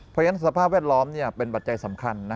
เพราะฉะนั้นสภาพแวดล้อมเป็นปัจจัยสำคัญ